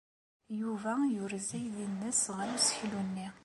Yuba yurez aydi-nnes ɣer useklu-nni.